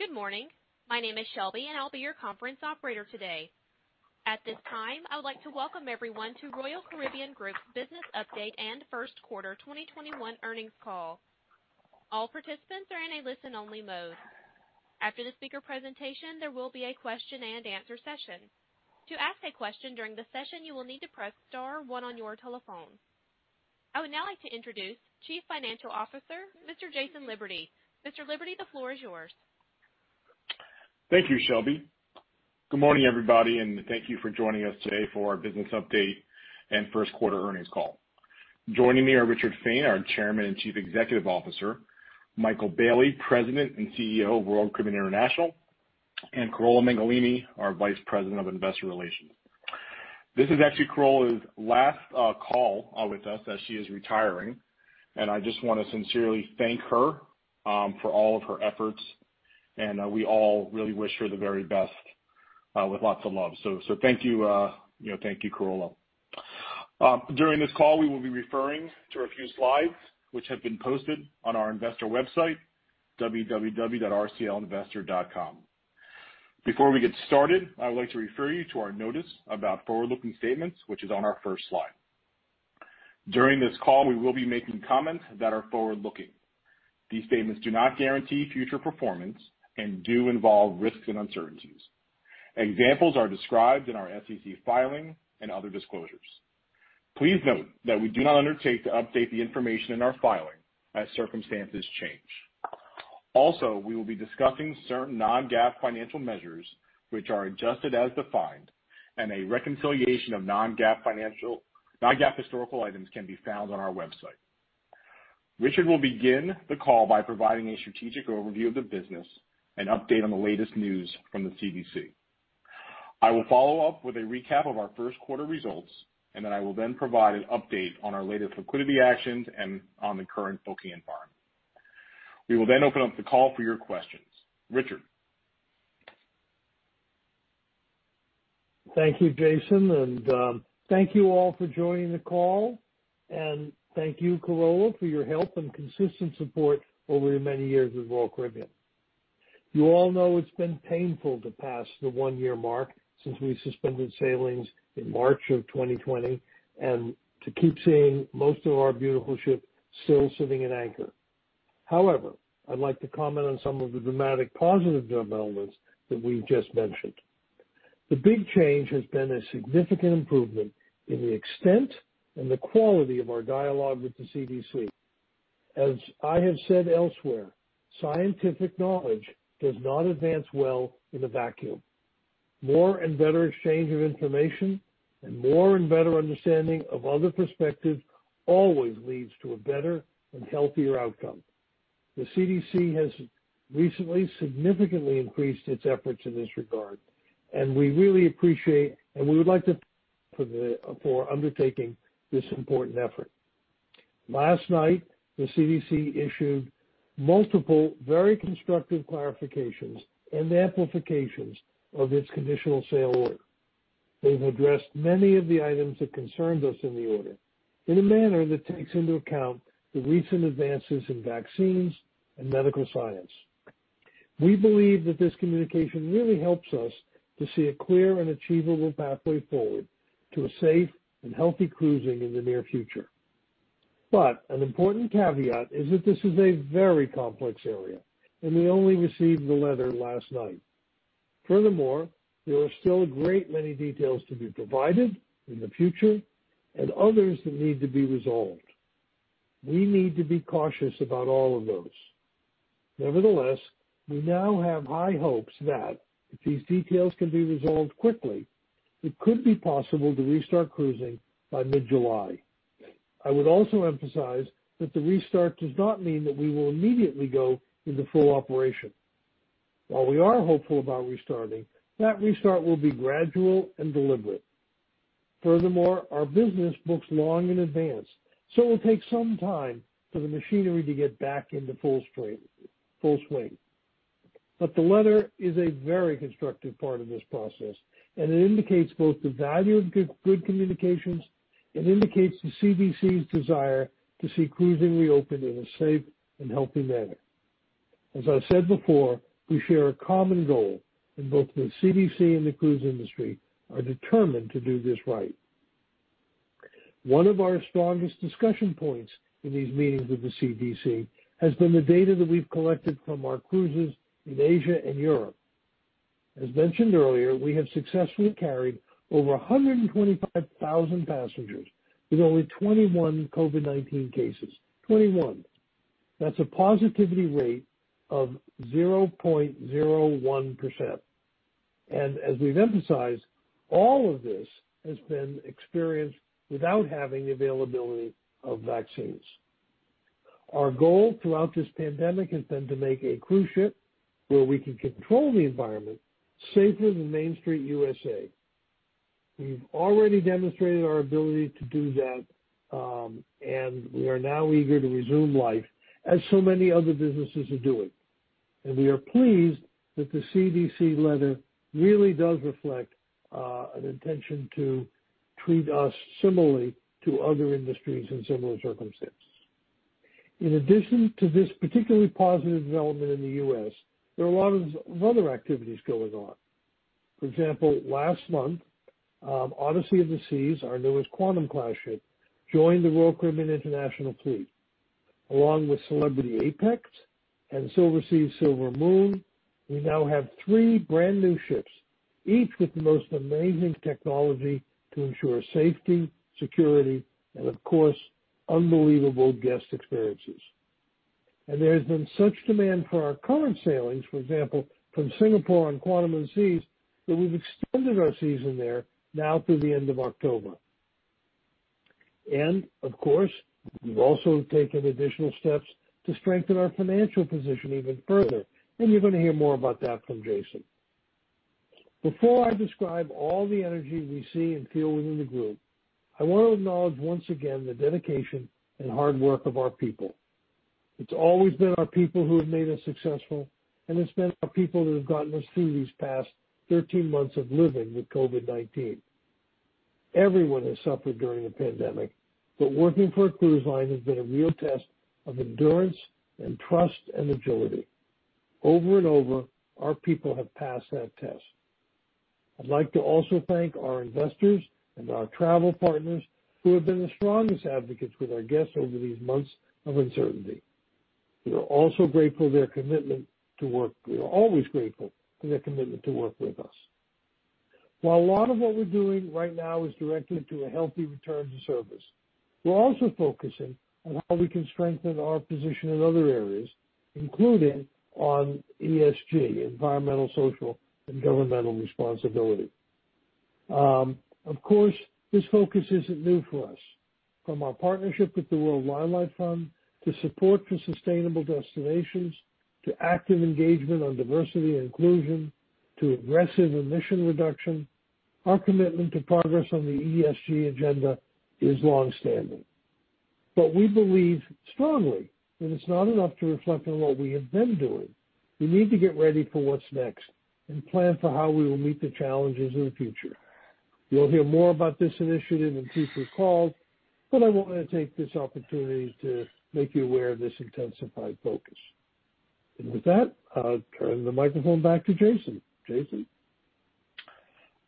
Good morning. My name is Shelby, and I will be your conference operator today. At this time, I would like to welcome everyone to Royal Caribbean Group's business update and first quarter 2021 earnings call. All participants are in a listen-only mode. After the speaker presentation, there will be a question-and-answer session. To ask a question during the session, you will need to press star one on your telephone. I would now like to introduce Chief Financial Officer, Mr. Jason Liberty. Mr. Liberty, the floor is yours. Thank you, Shelby. Good morning, everybody, and thank you for joining us today for our business update and first quarter earnings call. Joining me are Richard Fain, our Chairman and Chief Executive Officer, Michael Bayley, President and CEO of Royal Caribbean International, and Carola Mengolini, our Vice President of Investor Relations. This is actually Carola's last call with us as she is retiring, and I just want to sincerely thank her for all of her efforts, and we all really wish her the very best with lots of love. Thank you, Carola. During this call, we will be referring to a few slides which have been posted on our investor website, www.rclinvestor.com. Before we get started, I would like to refer you to our notice about forward-looking statements, which is on our first slide. During this call, we will be making comments that are forward-looking. These statements do not guarantee future performance and do involve risks and uncertainties. Examples are described in our SEC filing and other disclosures. Please note that we do not undertake to update the information in our filing as circumstances change. Also, we will be discussing certain non-GAAP financial measures which are adjusted as defined, and a reconciliation of non-GAAP historical items can be found on our website. Richard will begin the call by providing a strategic overview of the business and update on the latest news from the CDC. I will follow up with a recap of our first quarter results, and then I will provide an update on our latest liquidity actions and on the current booking environment. We will then open up the call for your questions. Richard? Thank you, Jason. Thank you all for joining the call. Thank you, Carola, for your help and consistent support over the many years with Royal Caribbean. You all know it's been painful to pass the one-year mark since we suspended sailings in March of 2020 and to keep seeing most of our beautiful ships still sitting at anchor. However, I'd like to comment on some of the dramatic positive developments that we've just mentioned. The big change has been a significant improvement in the extent and the quality of our dialogue with the CDC. As I have said elsewhere, scientific knowledge does not advance well in a vacuum. More and better exchange of information and more and better understanding of other perspectives always leads to a better and healthier outcome. The CDC has recently significantly increased its efforts in this regard, and we really appreciate, and we would like to thank them for undertaking this important effort. Last night, the CDC issued multiple very constructive clarifications and amplifications of its Conditional Sail Order. They've addressed many of the items that concerned us in the order in a manner that takes into account the recent advances in vaccines and medical science. We believe that this communication really helps us to see a clear and achievable pathway forward to a safe and healthy cruising in the near future. An important caveat is that this is a very complex area, and we only received the letter last night. Furthermore, there are still a great many details to be provided in the future and others that need to be resolved. We need to be cautious about all of those. Nevertheless, we now have high hopes that if these details can be resolved quickly, it could be possible to restart cruising by mid-July. I would also emphasize that the restart does not mean that we will immediately go into full operation. While we are hopeful about restarting, that restart will be gradual and deliberate. Furthermore, our business books long in advance, so it will take some time for the machinery to get back into full swing. The letter is a very constructive part of this process, and it indicates both the value of good communications. It indicates the CDC's desire to see cruising reopen in a safe and healthy manner. As I said before, we share a common goal and both the CDC and the cruise industry are determined to do this right. One of our strongest discussion points in these meetings with the CDC has been the data that we've collected from our cruises in Asia and Europe. As mentioned earlier, we have successfully carried over 125,000 passengers with only 21 COVID-19 cases. 21. That's a positivity rate of 0.01%. As we've emphasized, all of this has been experienced without having availability of vaccines. Our goal throughout this pandemic has been to make a cruise ship where we can control the environment safer than Main Street USA. We've already demonstrated our ability to do that, and we are now eager to resume life as so many other businesses are doing. We are pleased that the CDC letter really does reflect an intention to treat us similarly to other industries in similar circumstances. In addition to this particularly positive development in the U.S., there are a lot of other activities going on. For example, last month, Odyssey of the Seas, our newest Quantum class ship, joined the Royal Caribbean International fleet. Along with Celebrity Apex and Silversea Silver Moon, we now have three brand-new ships, each with the most amazing technology to ensure safety, security, and of course, unbelievable guest experiences. There's been such demand for our current sailings, for example, from Singapore on Quantum of the Seas, that we've extended our season there now through the end of October. Of course, we've also taken additional steps to strengthen our financial position even further, and you're going to hear more about that from Jason. Before I describe all the energy we see and feel within the group, I want to acknowledge once again the dedication and hard work of our people. It's always been our people who have made us successful, and it's been our people that have gotten us through these past 13 months of living with COVID-19. Everyone has suffered during the pandemic, but working for a cruise line has been a real test of endurance and trust and agility. Over and over, our people have passed that test. I'd like to also thank our investors and our travel partners who have been the strongest advocates with our guests over these months of uncertainty. We are also grateful their commitment to work. We are always grateful for their commitment to work with us. A lot of what we're doing right now is directly to a healthy return to service, we're also focusing on how we can strengthen our position in other areas, including on ESG, environmental, social, and governmental responsibility. Of course, this focus isn't new for us. From our partnership with the World Wildlife Fund, to support for sustainable destinations, to active engagement on diversity and inclusion, to aggressive emission reduction, our commitment to progress on the ESG agenda is longstanding. We believe strongly that it's not enough to reflect on what we have been doing. We need to get ready for what's next and plan for how we will meet the challenges in the future. You'll hear more about this initiative in future calls, but I want to take this opportunity to make you aware of this intensified focus. With that, I'll turn the microphone back to Jason. Jason?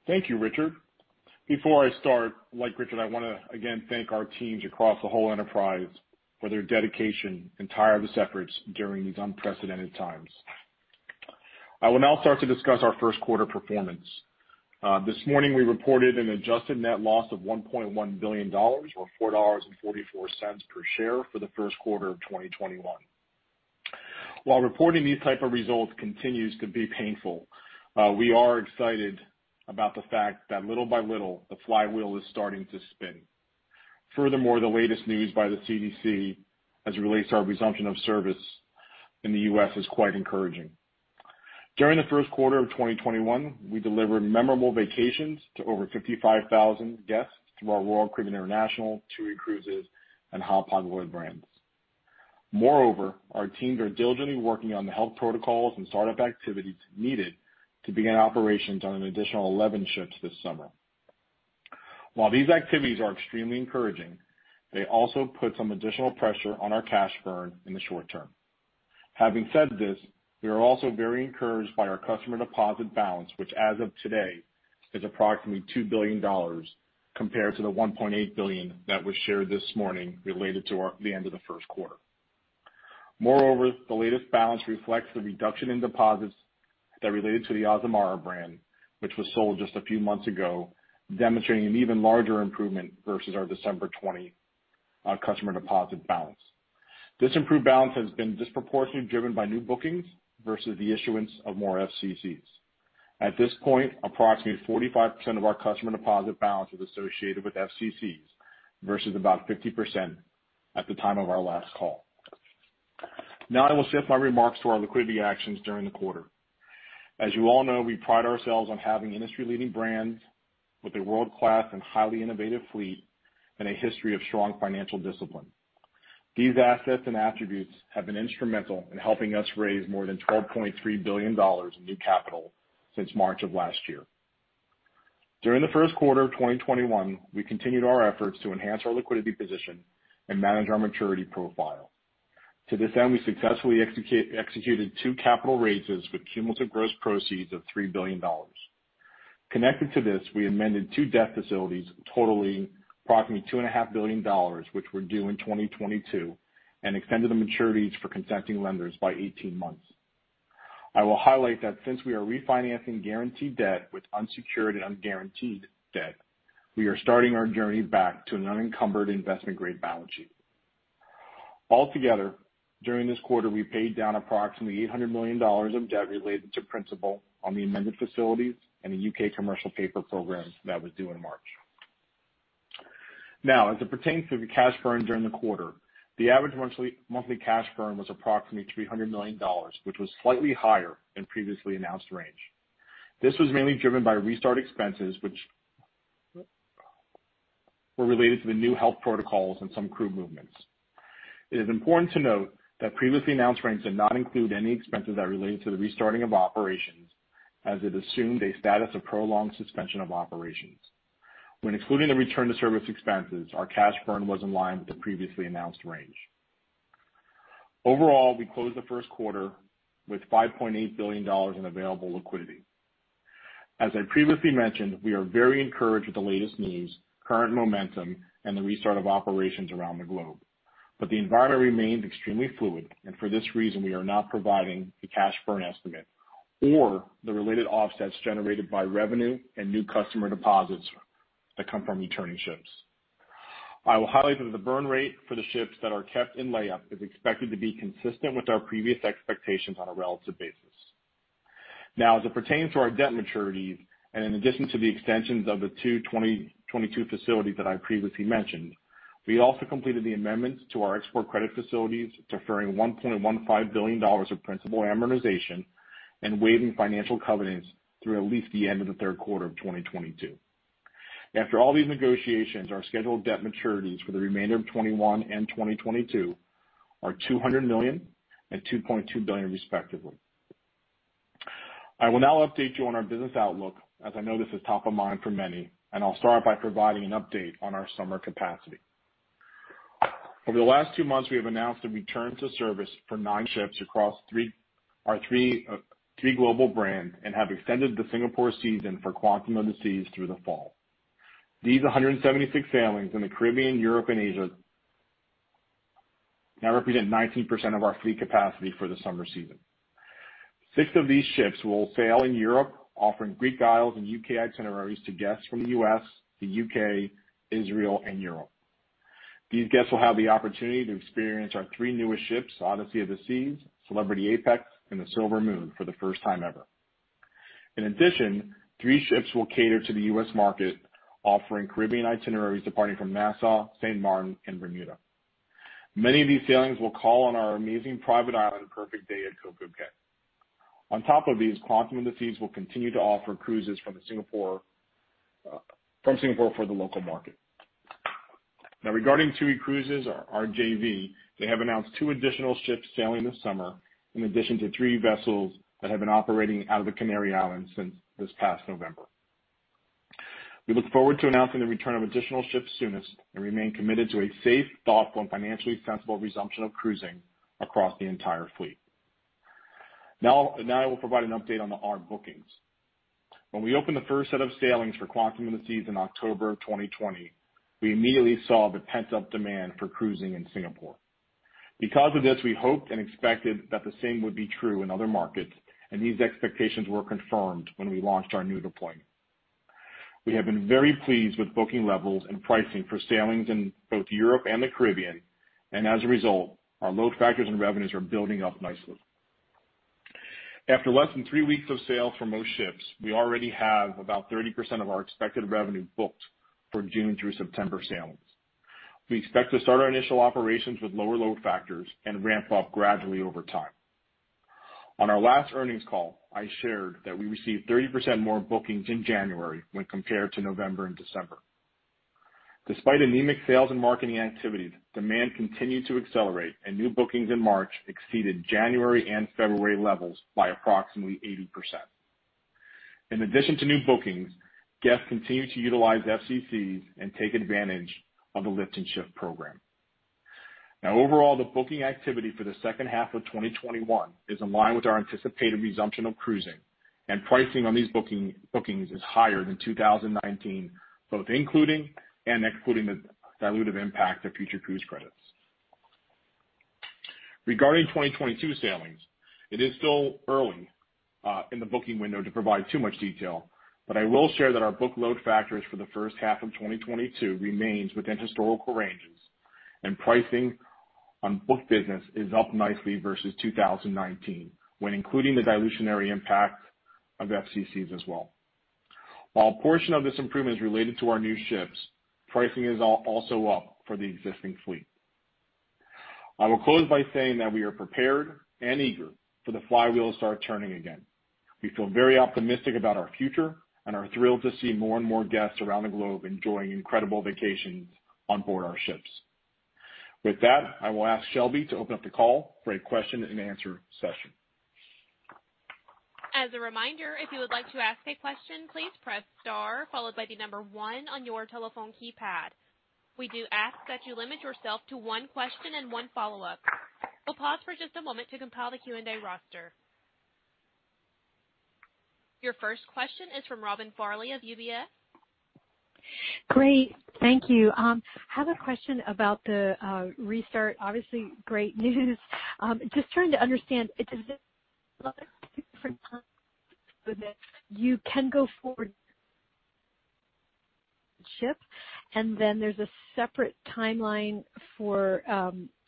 Thank you, Richard. Before I start, like Richard, I want to again thank our teams across the whole enterprise for their dedication and tireless efforts during these unprecedented times. I will now start to discuss our first quarter performance. This morning, we reported an adjusted net loss of $1.1 billion, or $4.44 per share for the first quarter of 2021. While reporting these type of results continues to be painful, we are excited about the fact that little by little, the flywheel is starting to spin. Furthermore, the latest news by the CDC as it relates to our resumption of service in the U.S. is quite encouraging. During the first quarter of 2021, we delivered memorable vacations to over 55,000 guests through our Royal Caribbean International, TUI Cruises, and Holland America brands. Our teams are diligently working on the health protocols and startup activities needed to begin operations on an additional 11 ships this summer. While these activities are extremely encouraging, they also put some additional pressure on our cash burn in the short-term. Having said this, we are also very encouraged by our customer deposit balance, which as of today is approximately $2 billion, compared to the $1.8 billion that was shared this morning related to the end of the first quarter. The latest balance reflects the reduction in deposits that related to the Azamara brand, which was sold just a few months ago, demonstrating an even larger improvement versus our December 20 customer deposit balance. This improved balance has been disproportionately driven by new bookings versus the issuance of more FCCs. At this point, approximately 45% of our customer deposit balance is associated with FCCs versus about 50% at the time of our last call. Now I will shift my remarks to our liquidity actions during the quarter. As you all know, we pride ourselves on having industry-leading brands with a world-class and highly innovative fleet and a history of strong financial discipline. These assets and attributes have been instrumental in helping us raise more than $12.3 billion in new capital since March of last year. During the first quarter of 2021, we continued our efforts to enhance our liquidity position and manage our maturity profile. To this end, we successfully executed two capital raises with cumulative gross proceeds of $3 billion. Connected to this, we amended two debt facilities totaling approximately $2.5 billion, which were due in 2022, and extended the maturities for consenting lenders by 18 months. I will highlight that since we are refinancing guaranteed debt with unsecured and unguaranteed debt, we are starting our journey back to an unencumbered investment-grade balance sheet. Altogether, during this quarter, we paid down approximately $800 million of debt related to principal on the amended facilities and the UK commercial paper program that was due in March. As it pertains to the cash burn during the quarter, the average monthly cash burn was approximately $300 million, which was slightly higher than previously announced range. This was mainly driven by restart expenses, which were related to the new health protocols and some crew movements. It is important to note that previously announced ranges did not include any expenses that related to the restarting of operations, as it assumed a status of prolonged suspension of operations. When excluding the return to service expenses, our cash burn was in line with the previously announced range. Overall, we closed the first quarter with $5.8 billion in available liquidity. As I previously mentioned, we are very encouraged with the latest news, current momentum, and the restart of operations around the globe. The environment remains extremely fluid, and for this reason, we are not providing the cash burn estimate or the related offsets generated by revenue and new customer deposits that come from returning ships. I will highlight that the burn rate for the ships that are kept in layup is expected to be consistent with our previous expectations on a relative basis. As it pertains to our debt maturities, in addition to the extensions of the two 2022 facilities that I previously mentioned, we also completed the amendments to our export credit facilities, deferring $1.15 billion of principal amortization and waiving financial covenants through at least the end of the third quarter of 2022. After all these negotiations, our scheduled debt maturities for the remainder of 2021 and 2022 are $200 million and $2.2 billion respectively. I will now update you on our business outlook, as I know this is top of mind for many. I'll start by providing an update on our summer capacity. Over the last two months, we have announced a return to service for nine ships across our three global brands and have extended the Singapore season for Quantum of the Seas through the fall. These 176 sailings in the Caribbean, Europe, and Asia now represent 19% of our fleet capacity for the summer season. Six of these ships will sail in Europe, offering Greek Isles and U.K. itineraries to guests from the U.S., the U.K., Israel, and Europe. These guests will have the opportunity to experience our three newest ships, Odyssey of the Seas, Celebrity Apex, and the Silver Moon for the first time ever. In addition, three ships will cater to the U.S. market, offering Caribbean itineraries departing from Nassau, St. Martin, and Bermuda. Many of these sailings will call on our amazing private island, Perfect Day at CocoCay. On top of these, Quantum of the Seas will continue to offer cruises from Singapore for the local market. Regarding TUI Cruises, our JV, they have announced two additional ships sailing this summer, in addition to three vessels that have been operating out of the Canary Islands since this past November. We look forward to announcing the return of additional ships soonest and remain committed to a safe, thoughtful, and financially sensible resumption of cruising across the entire fleet. I will provide an update on the near-term bookings. When we opened the first set of sailings for Quantum of the Seas in October of 2020, we immediately saw the pent-up demand for cruising in Singapore. Because of this, we hoped and expected that the same would be true in other markets, and these expectations were confirmed when we launched our new deployment. We have been very pleased with booking levels and pricing for sailings in both Europe and the Caribbean, and as a result, our load factors and revenues are building up nicely. After less than three weeks of sail for most ships, we already have about 30% of our expected revenue booked for June through September sailings. We expect to start our initial operations with lower load factors and ramp up gradually over time. On our last earnings call, I shared that we received 30% more bookings in January when compared to November and December. Despite anemic sales and marketing activities, demand continued to accelerate, and new bookings in March exceeded January and February levels by approximately 80%. In addition to new bookings, guests continue to utilize FCCs and take advantage of the Lift and Shift program. Overall, the booking activity for the second half of 2021 is in line with our anticipated resumption of cruising, and pricing on these bookings is higher than 2019, both including and excluding the dilutive impact of Future Cruise Credits. Regarding 2022 sailings, it is still early in the booking window to provide too much detail, but I will share that our book load factors for the first half of 2022 remains within historical ranges, and pricing on book business is up nicely versus 2019 when including the dilutionary impact of FCCs as well. While a portion of this improvement is related to our new ships, pricing is also up for the existing fleet. I will close by saying that we are prepared and eager for the flywheel to start turning again. We feel very optimistic about our future and are thrilled to see more and more guests around the globe enjoying incredible vacations on board our ships. With that, I will ask Shelby to open up the call for a question-and-answer session. As a reminder, if you would like to ask a question, please press star followed by the number one on your telephone keypad. We do ask that you limit yourself to one question and one follow-up. We'll pause for just a moment to compile the Q&A roster. Your first question is from Robin Farley of UBS. Great. Thank you. I have a question about the restart. Obviously, great news. Just trying to understand, does this you can go forward ship, and then there's a separate timeline for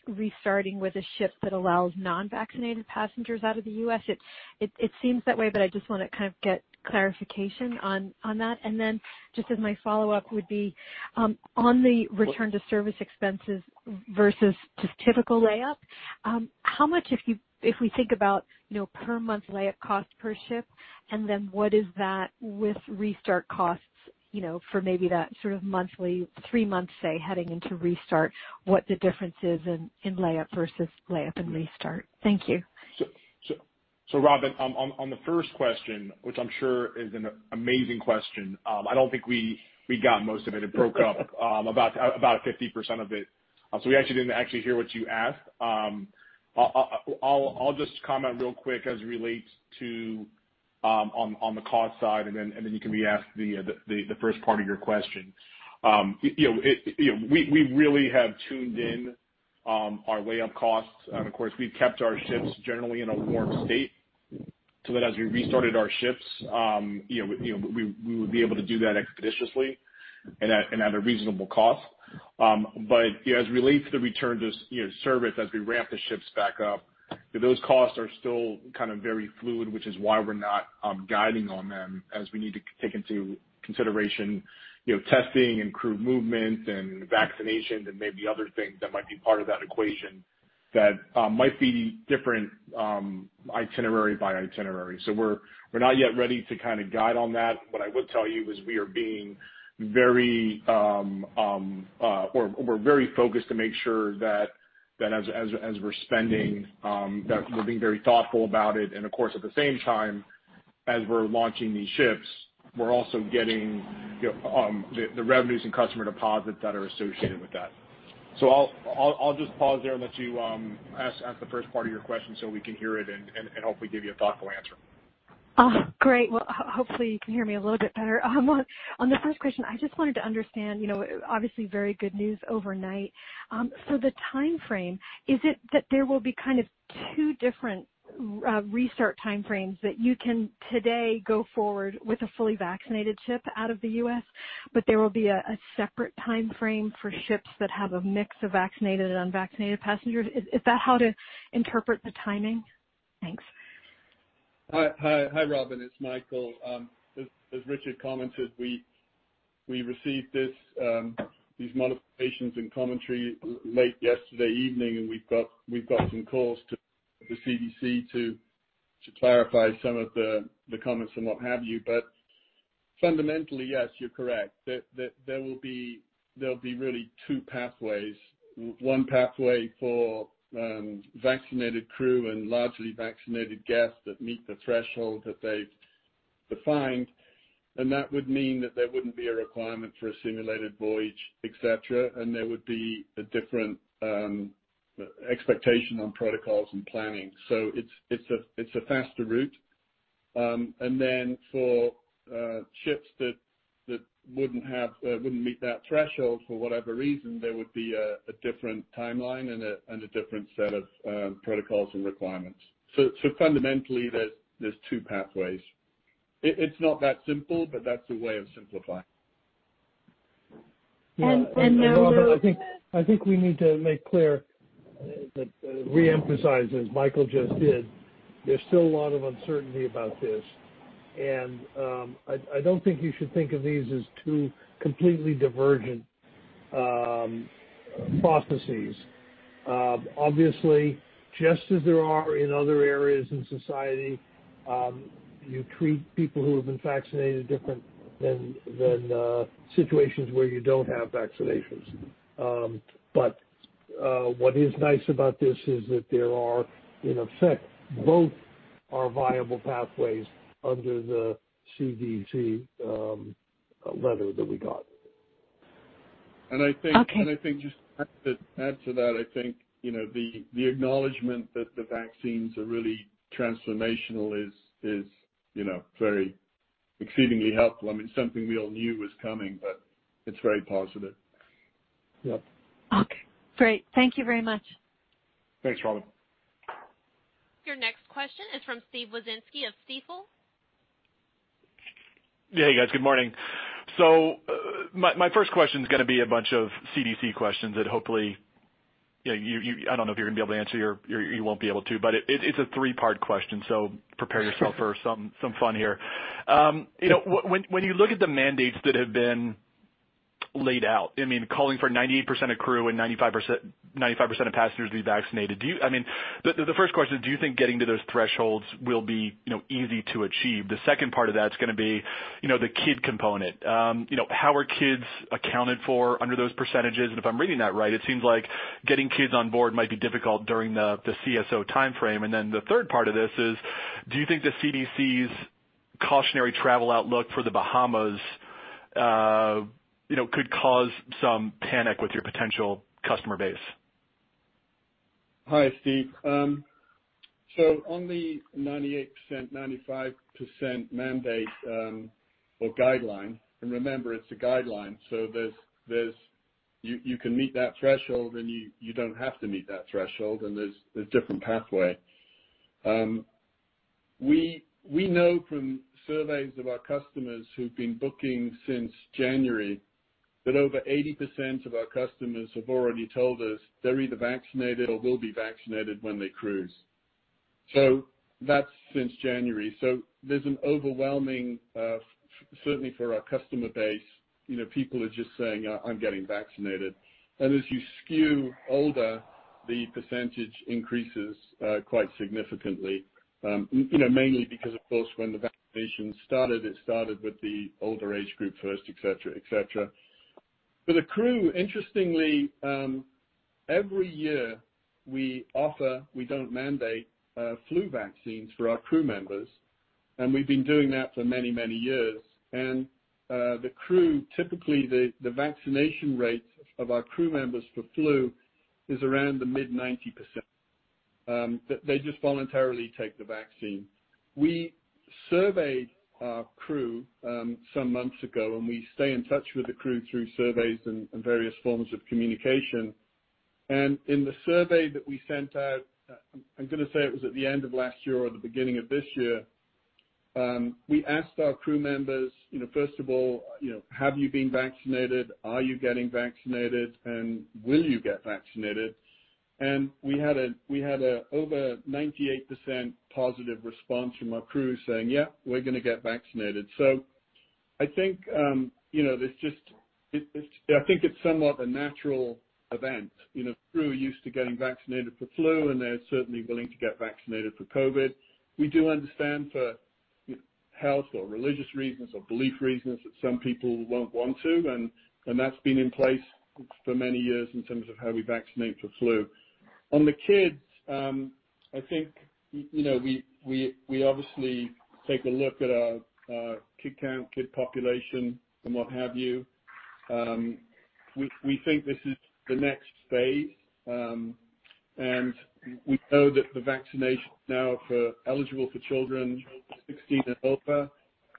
restarting with a ship that allows non-vaccinated passengers out of the U.S.? It seems that way, but I just want to kind of get clarification on that. Just as my follow-up would be, on the return to service expenses versus just typical lay-up, how much if we think about per month lay-up cost per ship, and then what is that with restart costs for maybe that sort of monthly, three months, say, heading into restart, what the difference is in layup versus layup and restart. Thank you. Robin, on the first question, which I am sure is an amazing question, I don't think we got most of it. It broke up, about 50% of it. We actually didn't hear what you asked. I will just comment real quick as it relates to on the cost side, and then you can re-ask the first part of your question. We really have tuned in our way-up costs, and of course, we have kept our ships generally in a warm state, so that as we restarted our ships, we would be able to do that expeditiously and at a reasonable cost. As it relates to the return to service as we ramp the ships back up, those costs are still kind of very fluid, which is why we're not guiding on them as we need to take into consideration testing and crew movement and vaccination and maybe other things that might be part of that equation that might be different itinerary by itinerary. We're not yet ready to kind of guide on that. What I will tell you is we're very focused to make sure that as we're spending, that we're being very thoughtful about it. Of course, at the same time, as we're launching these ships, we're also getting the revenues and customer deposits that are associated with that. I'll just pause there and let you ask the first part of your question so we can hear it and hopefully give you a thoughtful answer. Oh, great. Well, hopefully you can hear me a little bit better. On the first question, I just wanted to understand, obviously very good news overnight. The timeframe, is it that there will be kind of two different restart timeframes that you can today go forward with a fully vaccinated ship out of the U.S., but there will be a separate timeframe for ships that have a mix of vaccinated and unvaccinated passengers? Is that how to interpret the timing? Thanks. Hi, Robin. It's Michael. As Richard commented, we received these modifications and commentary late yesterday evening, and we've got some calls to the CDC to clarify some of the comments and what have you. Fundamentally, yes, you're correct. There'll be really two pathways. One pathway for vaccinated crew and largely vaccinated guests that meet the threshold that they've defined, and that would mean that there wouldn't be a requirement for a simulated voyage, et cetera, and there would be a different expectation on protocols and planning. It's a faster route. For ships that wouldn't meet that threshold for whatever reason, there would be a different timeline and a different set of protocols and requirements. Fundamentally, there's two pathways. It's not that simple, but that's a way of simplifying it. And now- Robin, I think we need to reemphasize, as Michael just did, there's still a lot of uncertainty about this. I don't think you should think of these as two completely divergent processes. Obviously, just as there are in other areas in society, you treat people who have been vaccinated different than situations where you don't have vaccinations. What is nice about this is that there are in effect, both are viable pathways under the CDC letter that we got. And I think- Okay Just to add to that, I think, the acknowledgment that the vaccines are really transformational is exceedingly helpful. I mean, something we all knew was coming, but it is very positive. Yep. Okay, great. Thank you very much. Thanks, Robin. Your next question is from Steve Wieczynski of Stifel. Hey, guys. Good morning. My first question's going to be a bunch of CDC questions that hopefully, I don't know if you're going to be able to answer or you won't be able to, but it's a three-part question, prepare yourself for some fun here. When you look at the mandates that have been laid out, calling for 98% of crew and 95% of passengers to be vaccinated. The first question, do you think getting to those thresholds will be easy to achieve? The second part of that's going to be the kid component. How are kids accounted for under those percentages? If I'm reading that right, it seems like getting kids on board might be difficult during the CSO timeframe. The third part of this is, do you think the CDC's cautionary travel outlook for the Bahamas could cause some panic with your potential customer base? Hi, Steve. On the 98%, 95% mandate, or guideline, remember, it's a guideline, you can meet that threshold, you don't have to meet that threshold, there's different pathway. We know from surveys of our customers who've been booking since January that over 80% of our customers have already told us they're either vaccinated or will be vaccinated when they cruise. That's since January. There's an overwhelming, certainly for our customer base, people are just saying, "I'm getting vaccinated." As you skew older, the percentage increases quite significantly. Mainly because, of course, when the vaccination started, it started with the older age group first, et cetera. For the crew, interestingly, every year we offer, we don't mandate flu vaccines for our crew members, and we've been doing that for many, many years. The crew, typically, the vaccination rates of our crew members for flu is around the mid-90%. They just voluntarily take the vaccine. We surveyed our crew some months ago, and we stay in touch with the crew through surveys and various forms of communication. In the survey that we sent out, I'm going to say it was at the end of last year or the beginning of this year, we asked our crew members, first of all, "Have you been vaccinated? Are you getting vaccinated? And will you get vaccinated?" We had an over 98% positive response from our crew saying, "Yeah, we're going to get vaccinated." I think it's somewhat a natural event. Crew are used to getting vaccinated for flu, and they're certainly willing to get vaccinated for COVID. We do understand for health or religious reasons or belief reasons that some people won't want to. That's been in place for many years in terms of how we vaccinate for flu. On the kids, I think, we obviously take a look at our kid count, kid population, and what have you. We think this is the next phase. We know that the vaccination is now eligible for children 16 and over.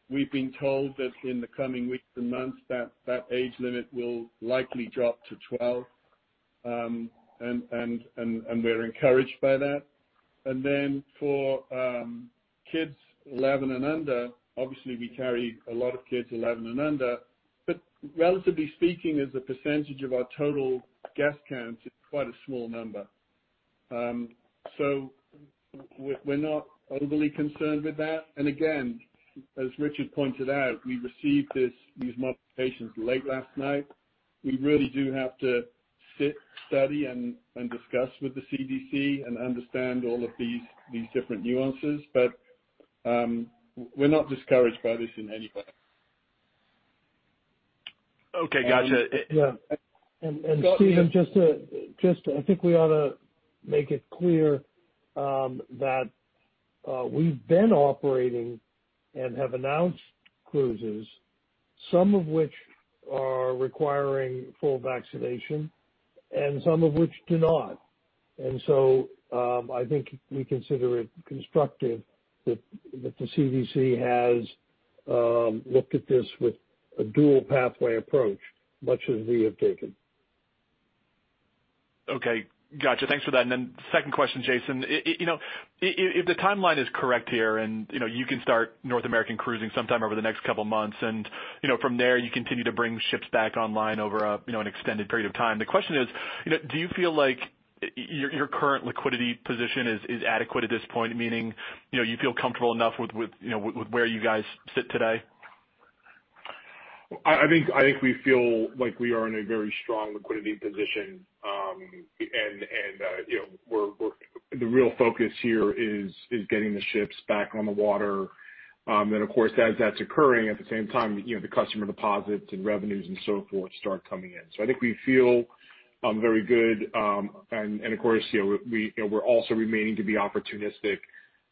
We've been told that in the coming weeks and months that that age limit will likely drop to 12. We're encouraged by that. Then for kids 11 and under, obviously, we carry a lot of kids 11 and under. Relatively speaking, as a percentage of our total guest count, it's quite a small number. We're not overly concerned with that. Again, as Richard pointed out, we received these modifications late last night. We really do have to sit, study, and discuss with the CDC and understand all of these different nuances. We're not discouraged by this in any way. Okay, got you. Yeah. Stephen, I think we ought to make it clear that we've been operating and have announced cruises, some of which are requiring full vaccination and some of which do not. I think we consider it constructive that the CDC has looked at this with a dual pathway approach, much as we have taken. Okay, got you. Thanks for that. Second question, Jason. If the timeline is correct here and you can start North American cruising sometime over the next couple of months, and from there you continue to bring ships back online over an extended period of time. The question is. Do you feel like your current liquidity position is adequate at this point, meaning you feel comfortable enough with where you guys sit today? I think we feel like we are in a very strong liquidity position. The real focus here is getting the ships back on the water. Of course, as that's occurring, at the same time, the customer deposits and revenues and so forth start coming in. I think we feel very good. Of course, we're also remaining to be opportunistic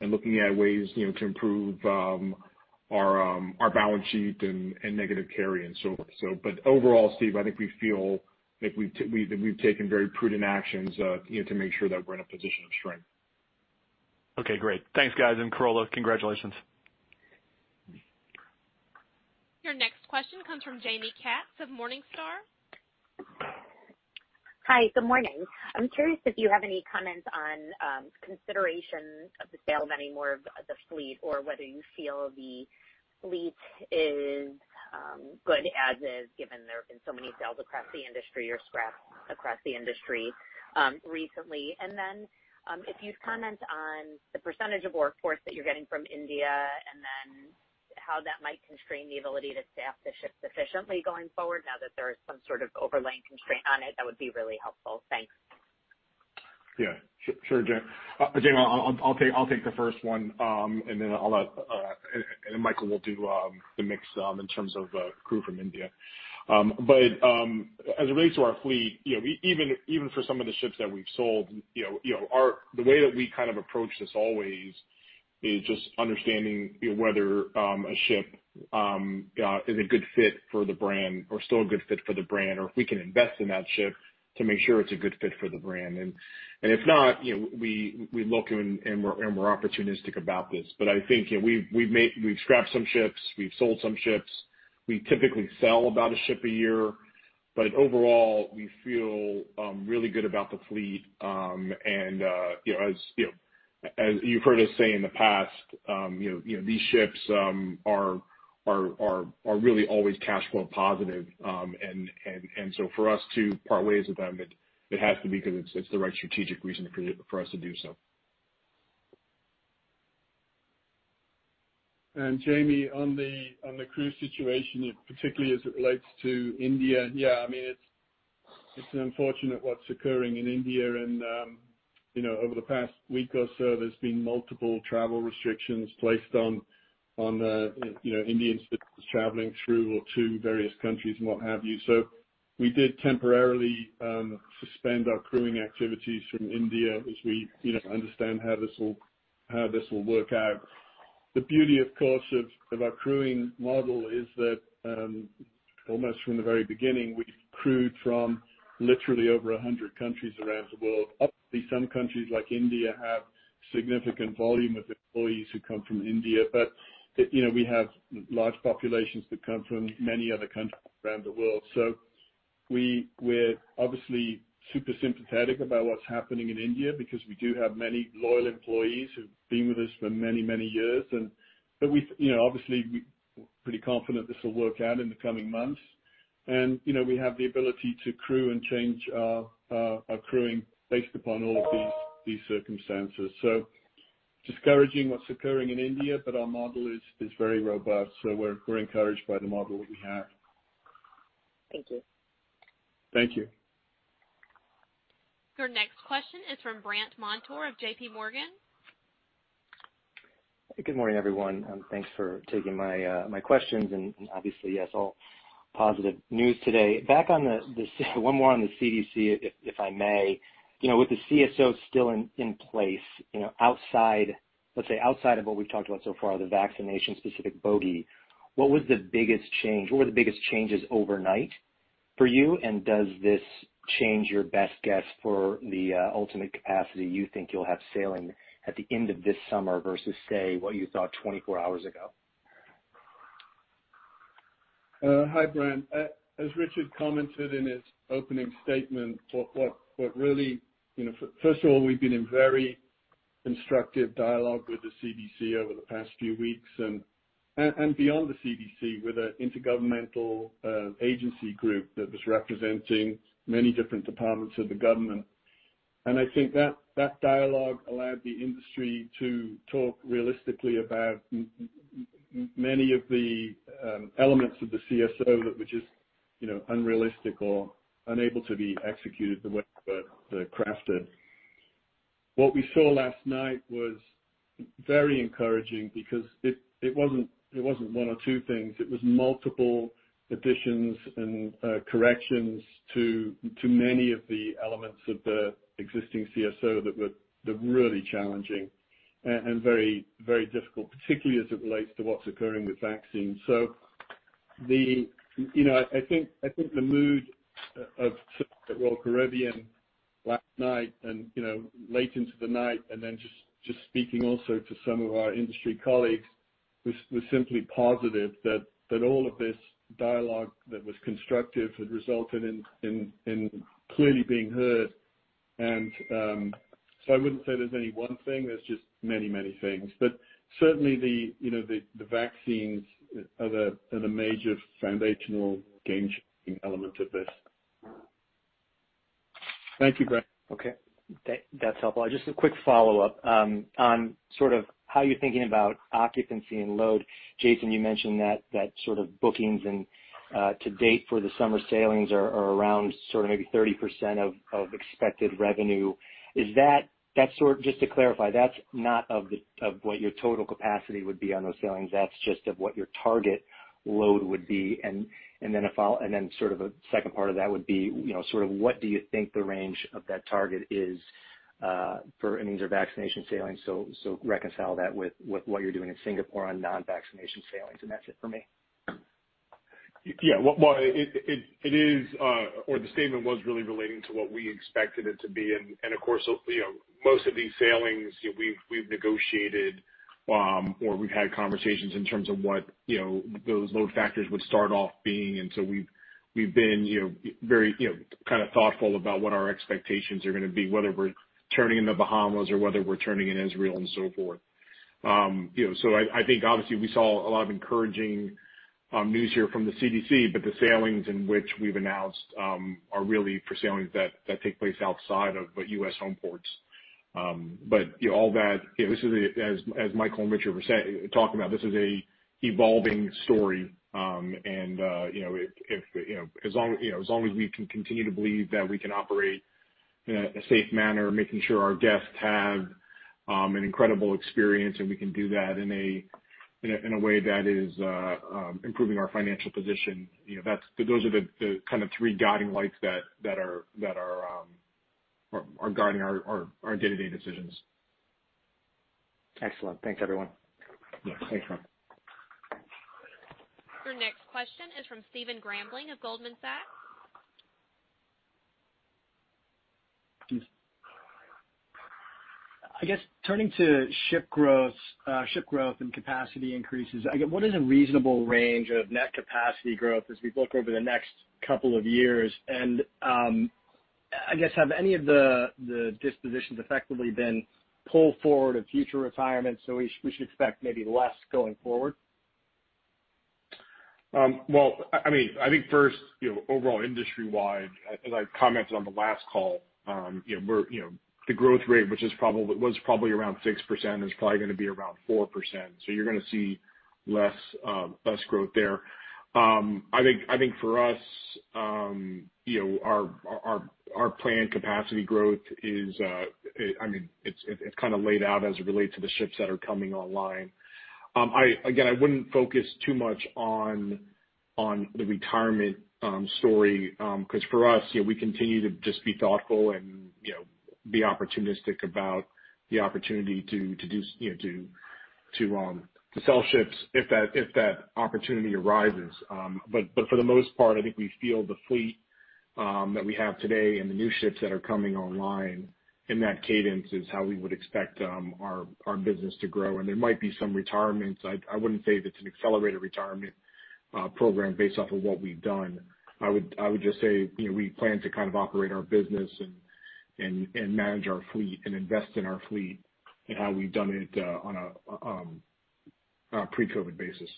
and looking at ways to improve our balance sheet and negative carry and so forth. Overall, Steve, I think we feel that we've taken very prudent actions to make sure that we're in a position of strength. Okay, great. Thanks, guys. Carola, congratulations. Your next question comes from Jaime Katz of Morningstar. Hi, good morning. I'm curious if you have any comments on considerations of the sale of any more of the fleet or whether you feel the fleet is good as is, given there have been so many sales across the industry or scraps across the industry recently. If you'd comment on the percentage of workforce that you're getting from India, and then how that might constrain the ability to staff the ships efficiently going forward, now that there is some sort of overlaying constraint on it, that would be really helpful. Thanks. Yeah, sure, Jaime. Jaime, I'll take the first one. Michael will do the mix in terms of crew from India. As it relates to our fleet, even for some of the ships that we've sold, the way that we approach this always is just understanding whether a ship is a good fit for the brand or still a good fit for the brand, or if we can invest in that ship to make sure it's a good fit for the brand. If not, we look and we're opportunistic about this. I think we've scrapped some ships, we've sold some ships. We typically sell about a ship a year. Overall, we feel really good about the fleet. As you've heard us say in the past, these ships are really always cash flow positive. For us to part ways with them, it has to be because it's the right strategic reason for us to do so. Jaime, on the crew situation, particularly as it relates to India, It's unfortunate what's occurring in India. Over the past week or so, there's been multiple travel restrictions placed on Indians that are traveling through or to various countries and what have you. We did temporarily suspend our crewing activities from India as we understand how this will work out. The beauty, of course, of our crewing model is that almost from the very beginning, we've crewed from literally over 100 countries around the world. Obviously, some countries like India have significant volume of employees who come from India. We have large populations that come from many other countries around the world. We're obviously super sympathetic about what's happening in India because we do have many loyal employees who've been with us for many, many years. Obviously, we're pretty confident this will work out in the coming months. We have the ability to crew and change our crewing based upon all of these circumstances. Discouraging what's occurring in India, but our model is very robust. We're encouraged by the model that we have. Thank you. Thank you. Your next question is from Brandt Montour of JPMorgan. Good morning, everyone. Thanks for taking my questions and obviously, yes, all positive news today. Back on the one more on the CDC, if I may. With the CSO still in place, let's say outside of what we've talked about so far, the vaccination-specific bogey, what were the biggest changes overnight for you? Does this change your best guess for the ultimate capacity you think you'll have sailing at the end of this summer versus, say, what you thought 24 hours ago? Hi, Brandt. As Richard commented in his opening statement, first of all, we've been in very constructive dialogue with the CDC over the past few weeks and beyond the CDC with an intergovernmental agency group that was representing many different departments of the government. I think that dialogue allowed the industry to talk realistically about many of the elements of the CSO that were just unrealistic or unable to be executed the way they were crafted. What we saw last night was very encouraging because it wasn't one or two things. It was multiple additions and corrections to many of the elements of the existing CSO that were really challenging and very difficult, particularly as it relates to what's occurring with vaccines. I think the mood of Royal Caribbean last night and late into the night, just speaking also to some of our industry colleagues, was simply positive that all of this dialogue that was constructive had resulted in clearly being heard. I wouldn't say there's any one thing, there's just many things. Certainly the vaccines are the major foundational game-changing element of this. Thank you, Brandt. Okay. That's helpful. Just a quick follow-up on sort of how you're thinking about occupancy and load. Jason, you mentioned that sort of bookings and to date for the summer sailings are around sort of maybe 30% of expected revenue. Just to clarify, that's not of what your total capacity would be on those sailings, that's just of what your target load would be, and then sort of a second part of that would be sort of what do you think the range of that target is for any of their vaccination sailings? Reconcile that with what you're doing in Singapore on non-vaccination sailings. That's it for me. Yeah. The statement was really relating to what we expected it to be. Of course, most of these sailings, we've negotiated, or we've had conversations in terms of what those load factors would start off being. We've been very kind of thoughtful about what our expectations are going to be, whether we're turning in the Bahamas or whether we're turning in Israel and so forth. I think obviously we saw a lot of encouraging news here from the CDC, but the sailings in which we've announced are really for sailings that take place outside of U.S. home ports. As Michael and Richard were talking about, this is an evolving story. As long as we can continue to believe that we can operate in a safe manner, making sure our guests have an incredible experience, and we can do that in a way that is improving our financial position. Those are the kind of three guiding lights that are guiding our day-to-day decisions. Excellent. Thanks, everyone. Yes. Thanks, Brandt. Your next question is from Stephen Grambling of Goldman Sachs. I guess, turning to ship growth and capacity increases, what is a reasonable range of net capacity growth as we look over the next couple of years? I guess have any of the dispositions effectively been pulled forward of future retirement, so we should expect maybe less going forward? Well, I think first, overall industry-wide, as I commented on the last call, the growth rate, which was probably around 6%, is probably going to be around 4%. You're going to see less growth there. I think for us, our planned capacity growth is laid out as it relates to the ships that are coming online. Again, I wouldn't focus too much on the retirement story, because for us, we continue to just be thoughtful and be opportunistic about the opportunity to sell ships if that opportunity arises. For the most part, I think we feel the fleet that we have today and the new ships that are coming online in that cadence is how we would expect our business to grow. There might be some retirements. I wouldn't say that it's an accelerated retirement program based off of what we've done. I would just say, we plan to operate our business and manage our fleet and invest in our fleet in how we've done it on a pre-COVID basis.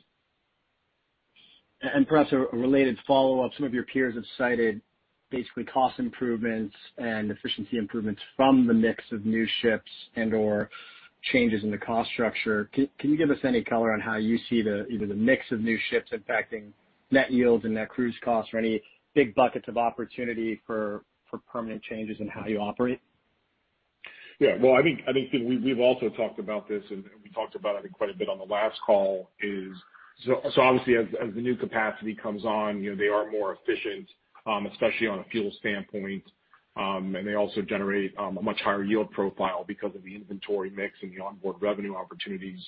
Perhaps a related follow-up. Some of your peers have cited basically cost improvements and efficiency improvements from the mix of new ships and/or changes in the cost structure. Can you give us any color on how you see the mix of new ships impacting net yields and net cruise costs, or any big buckets of opportunity for permanent changes in how you operate? Yeah. I think we've also talked about this, and we talked about it quite a bit on the last call. Obviously, as the new capacity comes on, they are more efficient, especially on a fuel standpoint. They also generate a much higher yield profile because of the inventory mix and the onboard revenue opportunities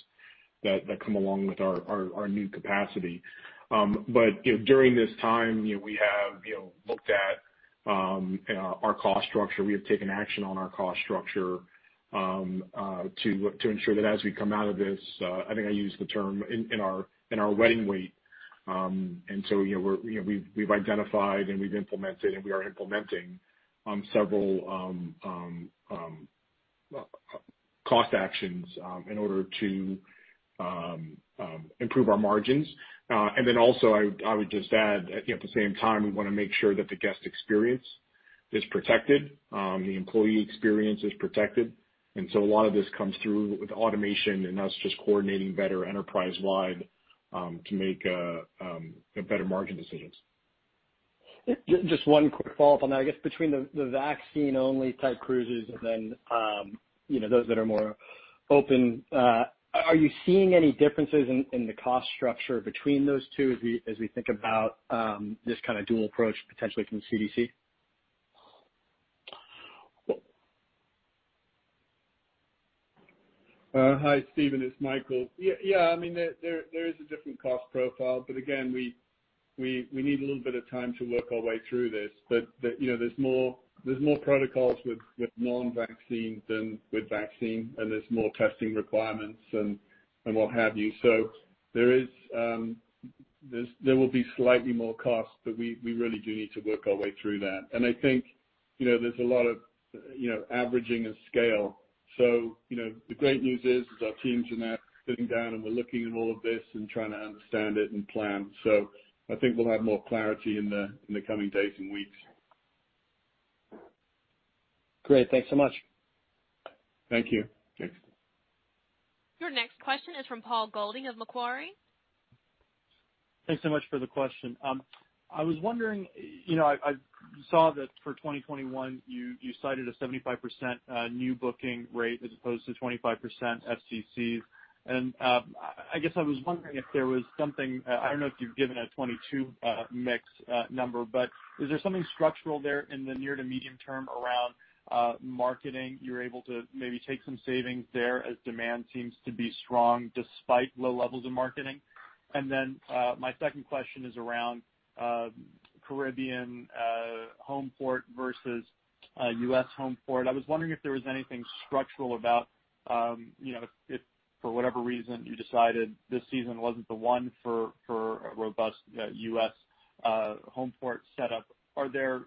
that come along with our new capacity. During this time, we have looked at our cost structure. We have taken action on our cost structure to ensure that as we come out of this, I think I use the term, in our fighting weight. We've identified and we've implemented and we are implementing several cost actions in order to improve our margins. Also I would just add, at the same time, we want to make sure that the guest experience is protected, the employee experience is protected. A lot of this comes through with automation and us just coordinating better enterprise-wide to make better margin decisions. Just one quick follow-up on that. I guess between the vaccine-only type cruises and then those that are more open, are you seeing any differences in the cost structure between those two as we think about this kind of dual approach potentially from the CDC? Hi, Stephen, it's Michael. Yeah, there is a different cost profile. Again, we need a little bit of time to work our way through this. There's more protocols with non-vaccine than with vaccine, and there's more testing requirements and what have you. There will be slightly more costs, but we really do need to work our way through that. I think there's a lot of averaging of scale. The great news is our teams are now sitting down, and we're looking at all of this and trying to understand it and plan. I think we'll have more clarity in the coming days and weeks. Great. Thanks so much. Thank you. Thanks. Your next question is from Paul Golding of Macquarie. Thanks so much for the question. I was wondering, I saw that for 2021, you cited a 75% new booking rate as opposed to 25% FCCs. I was wondering if there was something, I don't know if you've given a 2022 mix number, but is there something structural there in the near to medium-term around marketing? You're able to maybe take some savings there as demand seems to be strong despite low levels of marketing. My second question is around Caribbean homeport versus U.S. homeport. I was wondering if there was anything structural about if for whatever reason you decided this season wasn't the one for a robust U.S. homeport set up. Are there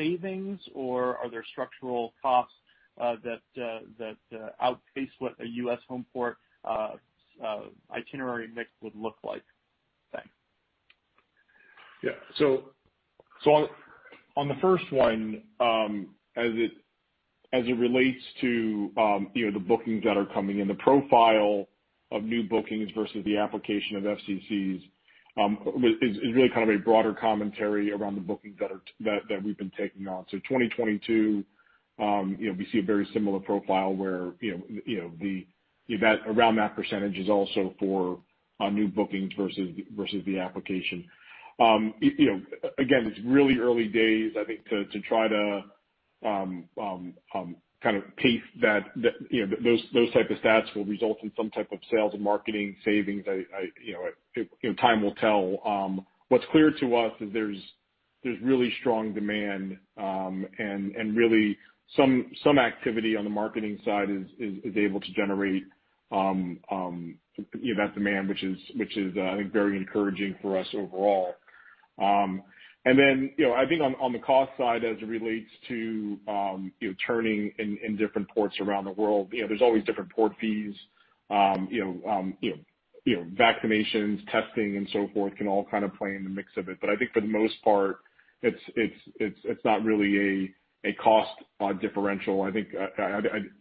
savings or are there structural costs that outpace what a U.S. homeport itinerary mix would look like? Thanks. On the first one, as it relates to the bookings that are coming in, the profile of new bookings versus the application of FCCs is really kind of a broader commentary around the bookings that we've been taking on. 2022, we see a very similar profile where around that percentage is also for new bookings versus the application. Again, it's really early days, I think, to try to kind of pace that those type of stats will result in some type of sales and marketing savings. Time will tell. What's clear to us is there's really strong demand, and really some activity on the marketing side is able to generate that demand, which is I think very encouraging for us overall. I think on the cost side as it relates to turning in different ports around the world, there's always different port fees. Vaccinations, testing, and so forth can all kind of play in the mix of it. I think for the most part, it's not really a cost differential. I think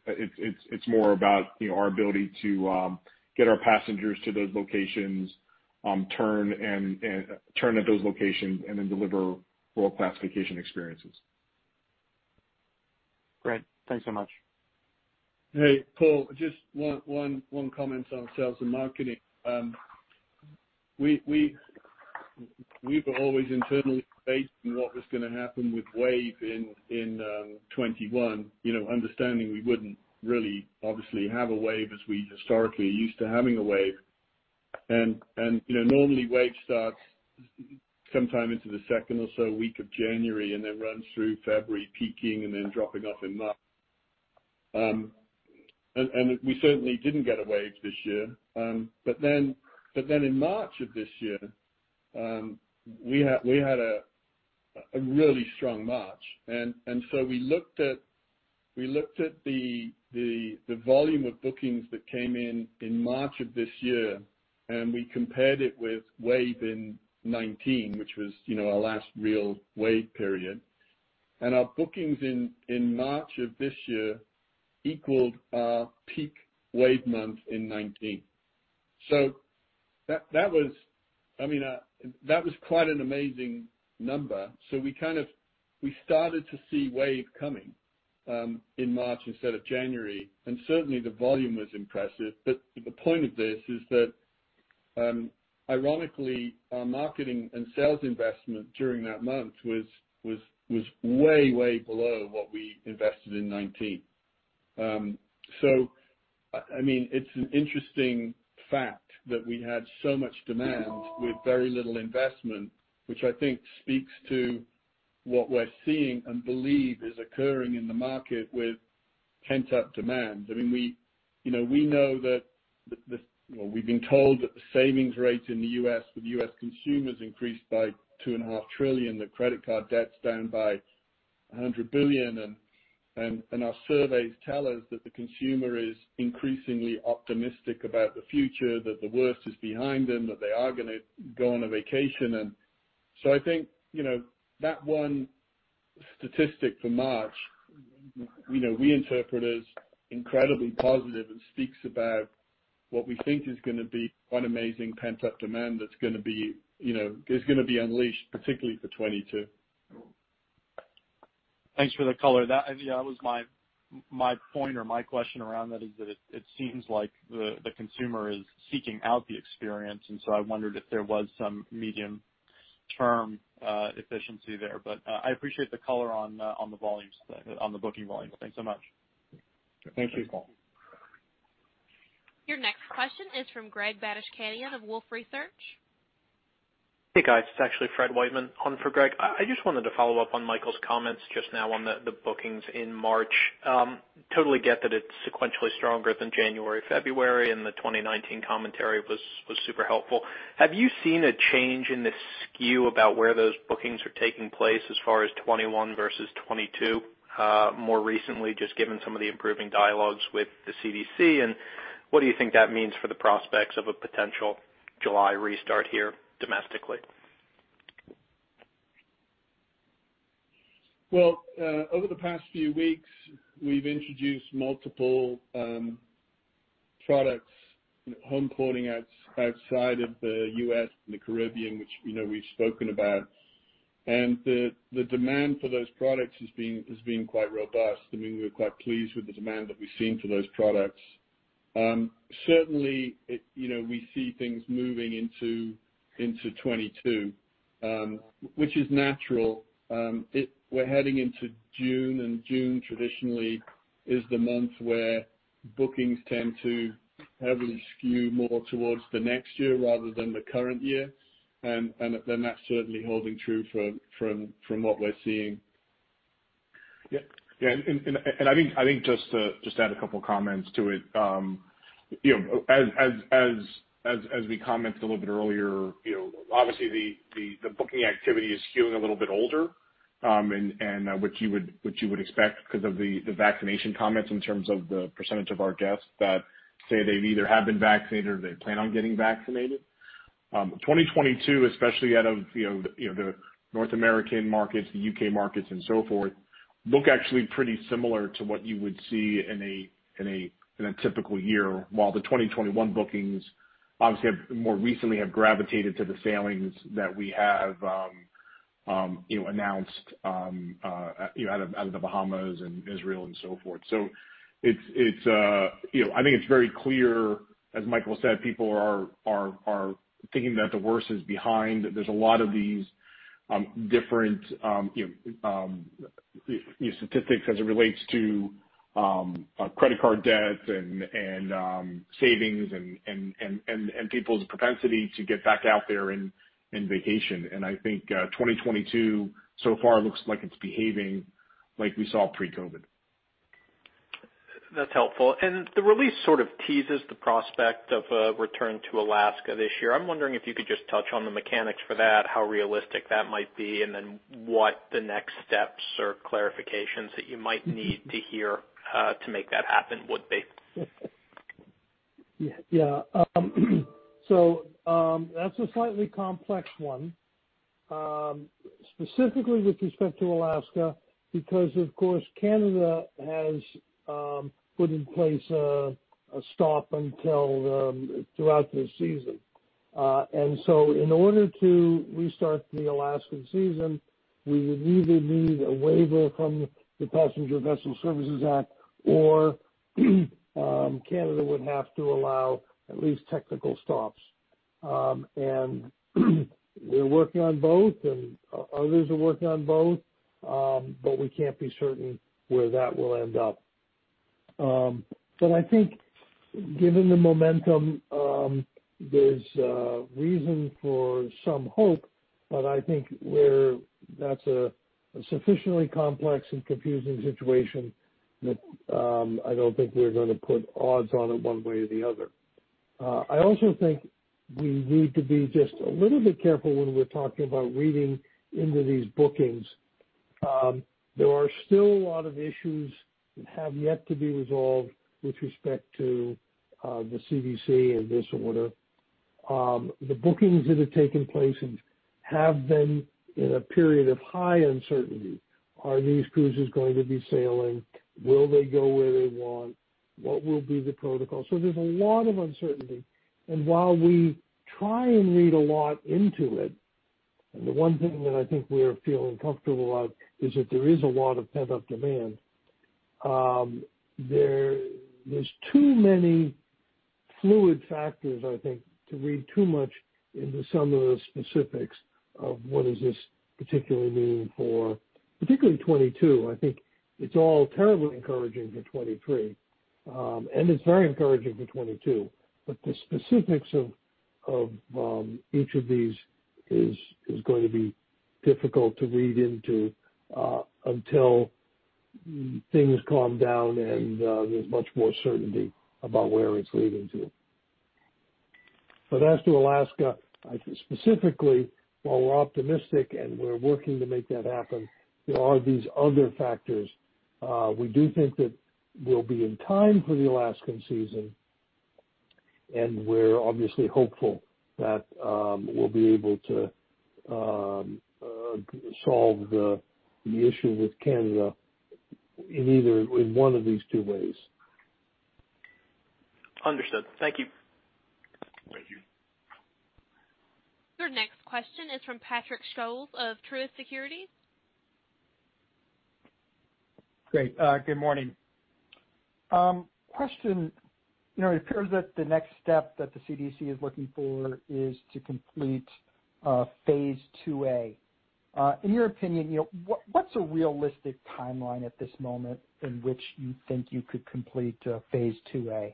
it's more about our ability to get our passengers to those locations, turn at those locations, and then deliver Royal classification experiences. Great. Thanks so much. Hey, Paul, just one comment on sales and marketing. We were always internally debating what was going to happen with Wave in 2021, understanding we wouldn't really, obviously, have a Wave as we historically are used to having a Wave. Normally, Wave starts sometime into the second or so week of January and then runs through February, peaking and then dropping off in March. We certainly didn't get a Wave this year. In March of this year, we had a really strong March. We looked at the volume of bookings that came in in March of this year, and we compared it with Wave in 2019, which was our last real Wave period. Our bookings in March of this year equaled our peak Wave month in 2019. That was quite an amazing number. We started to see Wave coming in March instead of January, and certainly the volume was impressive. The point of this is that, ironically, our marketing and sales investment during that month was way below what we invested in 2019. It's an interesting fact that we had so much demand with very little investment, which I think speaks to what we're seeing and believe is occurring in the market with pent-up demand. We've been told that the savings rate in the U.S. with U.S. consumers increased by $2.5 trillion, that credit card debt's down by $100 billion, and our surveys tell us that the consumer is increasingly optimistic about the future, that the worst is behind them, that they are going to go on a vacation. I think that one statistic for March, we interpret as incredibly positive and speaks about what we think is going to be quite an amazing pent-up demand that's going to be unleashed, particularly for 2022. Thanks for the color. That was my point or my question around that, is that it seems like the consumer is seeking out the experience, and so I wondered if there was some medium-term efficiency there. I appreciate the color on the booking volumes. Thanks so much. Thank you Paul. Your next question is from Greg Badishkanian of Wolfe Research. Hey, guys. It is actually Fred Weidman on for Greg. I just wanted to follow up on Michael's comments just now on the bookings in March. Totally get that it is sequentially stronger than January, February, and the 2019 commentary was super helpful. Have you seen a change in the skew about where those bookings are taking place as far as 2021 versus 2022, more recently, just given some of the improving dialogues with the CDC? What do you think that means for the prospects of a potential July restart here domestically? Well, over the past few weeks, we've introduced multiple products, home porting outside of the U.S. and the Caribbean, which we've spoken about. The demand for those products has been quite robust. We are quite pleased with the demand that we've seen for those products. Certainly, we see things moving into 2022, which is natural. We're heading into June traditionally is the month where bookings tend to heavily skew more towards the next year rather than the current year. That's certainly holding true from what we're seeing. Yeah. I think just to add a couple of comments to it. As we commented a little bit earlier, obviously the booking activity is skewing a little bit older, which you would expect because of the vaccination comments in terms of the percentage of our guests that say they've either have been vaccinated or they plan on getting vaccinated. 2022, especially out of the North American markets, the U.K. markets and so forth, look actually pretty similar to what you would see in a typical year. While the 2021 bookings, obviously, more recently have gravitated to the sailings that we have announced out of The Bahamas and Israel and so forth. I think it's very clear, as Michael said, people are thinking that the worst is behind. There's a lot of these different statistics as it relates to credit card debts and savings and people's propensity to get back out there and vacation. I think 2022, so far, looks like it's behaving like we saw pre-COVID. That's helpful. The release sort of teases the prospect of a return to Alaska this year. I'm wondering if you could just touch on the mechanics for that, how realistic that might be, and then what the next steps or clarifications that you might need to hear to make that happen would be. Yeah. That's a slightly complex one. Specifically with respect to Alaska, because, of course, Canada has put in place a stop throughout this season. In order to restart the Alaskan season, we would either need a waiver from the Passenger Vessel Services Act, or Canada would have to allow at least technical stops. We're working on both, and others are working on both, but we can't be certain where that will end up. I think given the momentum, there's reason for some hope, but I think that's a sufficiently complex and confusing situation that I don't think we're going to put odds on it one way or the other. I also think we need to be just a little bit careful when we're talking about reading into these bookings. There are still a lot of issues that have yet to be resolved with respect to the CDC and this order. The bookings that have taken place have been in a period of high uncertainty. Are these cruises going to be sailing? Will they go where they want? What will be the protocol? There's a lot of uncertainty. While we try and read a lot into it, the one thing that I think we are feeling comfortable of is that there is a lot of pent-up demand. There's too many fluid factors, I think, to read too much into some of the specifics of what does this particularly mean for particularly 2022. I think it's all terribly encouraging for 2023. It's very encouraging for 2022. The specifics of each of these is going to be difficult to read into until things calm down, and there's much more certainty about where it's leading to. As to Alaska, specifically, while we're optimistic and we're working to make that happen, there are these other factors. We do think that we'll be in time for the Alaskan season. We're obviously hopeful that we'll be able to solve the issue with Canada in one of these two ways. Understood. Thank you. Thank you. Your next question is from Patrick Scholes of Truist Securities. Great. Good morning. Question, it appears that the next step that the CDC is looking for is to complete phase IIA. In your opinion, what's a realistic timeline at this moment in which you think you could complete phase IIA?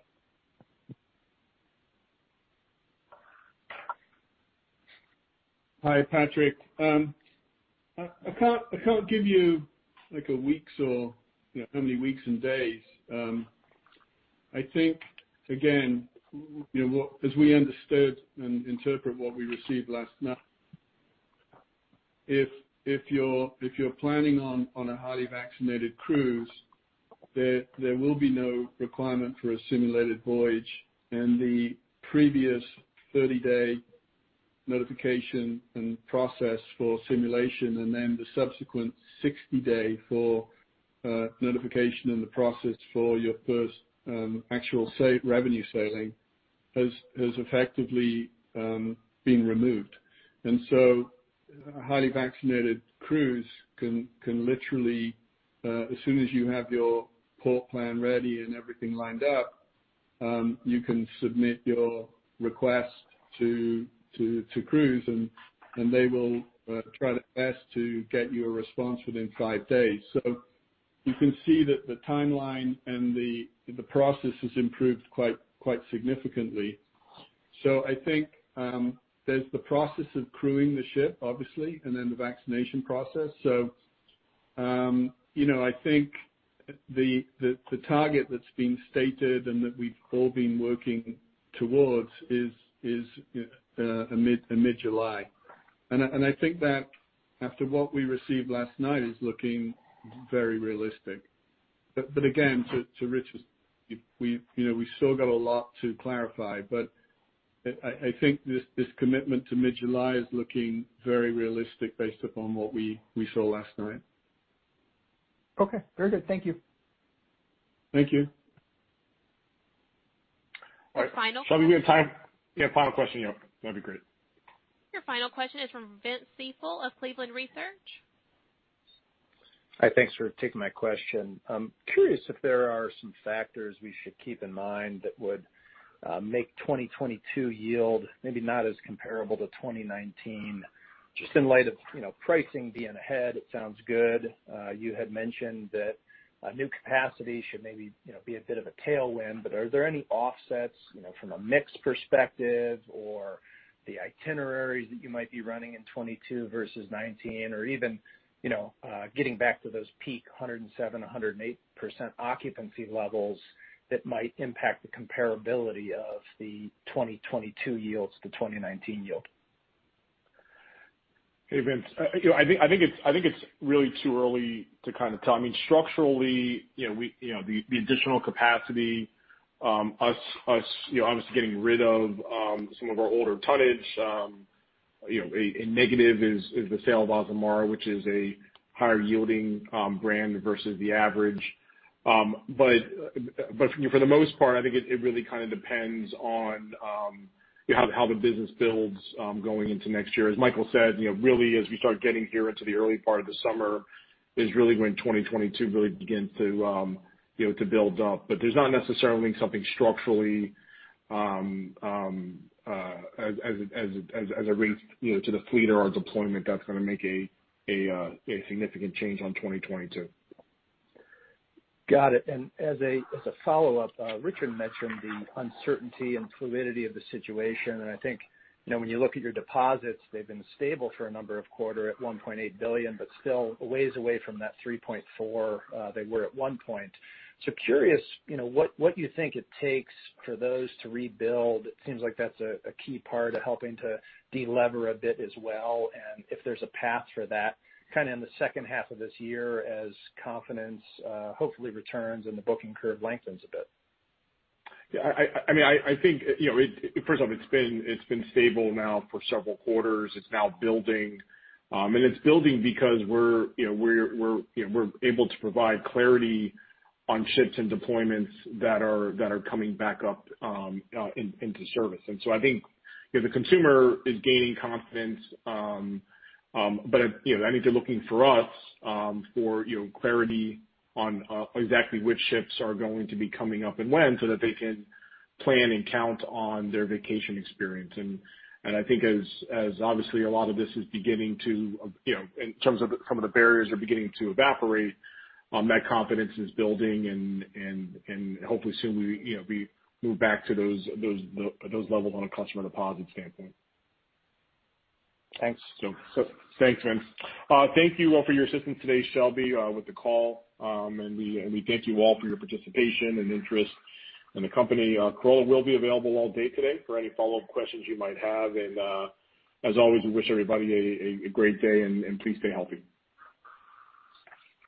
Hi, Patrick. I can't give you how many weeks and days. I think, again, as we understood and interpret what we received last night, if you're planning on a highly vaccinated cruise, there will be no requirement for a simulated voyage in the previous 30-day notification and process for simulation, and then the subsequent 60-day for notification and the process for your first actual revenue sailing has effectively been removed. Highly vaccinated crews can literally, as soon as you have your port plan ready and everything lined up, you can submit your request to cruise, and they will try their best to get you a response within five days. You can see that the timeline and the process has improved quite significantly. I think there's the process of crewing the ship, obviously, and then the vaccination process. I think the target that's been stated and that we've all been working towards is mid-July. I think that after what we received last night is looking very realistic. Again, to Richard's point, we still got a lot to clarify, but I think this commitment to mid-July is looking very realistic based upon what we saw last night. Okay. Very good. Thank you. Thank you. Our final question. Shelby, do we have time? Yeah, final question, that'd be great. Your final question is from Vince Ciepiel of Cleveland Research. Hi. Thanks for taking my question. I'm curious if there are some factors we should keep in mind that would make 2022 yield maybe not as comparable to 2019, just in light of pricing being ahead. It sounds good. Are there any offsets from a mix perspective or the itineraries that you might be running in 2022 versus 2019, or even getting back to those peak 107%, 108% occupancy levels that might impact the comparability of the 2022 yields to 2019 yield? Hey, Vince. I think it's really too early to tell. Structurally, the additional capacity, us obviously getting rid of some of our older tonnage. A negative is the sale of Azamara, which is a higher-yielding brand versus the average. For the most part, I think it really kind of depends on how the business builds going into next year. As Michael said, really as we start getting here into the early part of the summer is really when 2022 really begins to build up. There's not necessarily something structurally as it relates to the fleet or our deployment that's going to make a significant change on 2022. Got it. As a follow-up, Richard mentioned the uncertainty and fluidity of the situation, and I think when you look at your deposits, they've been stable for a number of quarter at $1.8 billion, but still a ways away from that $3.4 billion they were at one point. Curious, what you think it takes for those to rebuild. It seems like that's a key part of helping to de-lever a bit as well, and if there's a path for that kind of in the second half of this year as confidence hopefully returns and the booking curve lengthens a bit. Yeah. I think, first off, it's been stable now for several quarters. It's now building, it's building because we're able to provide clarity on ships and deployments that are coming back up into service. I think the consumer is gaining confidence. I think they're looking for us for clarity on exactly which ships are going to be coming up and when, so that they can plan and count on their vacation experience. I think as obviously a lot of this is beginning to, in terms of some of the barriers are beginning to evaporate, that confidence is building and hopefully soon we move back to those levels on a customer deposit standpoint. Thanks. Thanks. Thank you all for your assistance today, Shelby, with the call. We thank you all for your participation and interest in the company. Carola will be available all day today for any follow-up questions you might have. As always, we wish everybody a great day, and please stay healthy.